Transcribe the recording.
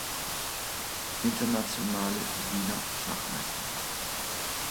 Internationale Wiener Schachmeisterschaft".